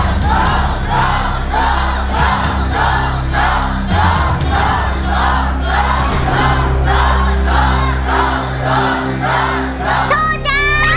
จะสู้หรือจะหยุดครับ